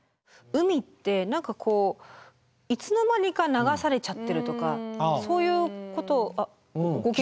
海って何かこういつの間にか流されちゃってるとかそういうことあっご経験。